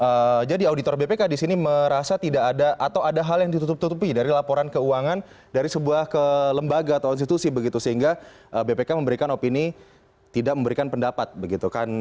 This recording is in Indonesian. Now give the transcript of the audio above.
oke jadi auditor bpk di sini merasa tidak ada atau ada hal yang ditutup tutupi dari laporan keuangan dari sebuah lembaga atau institusi begitu sehingga bpk memberikan opini tidak memberikan pendapat begitu kan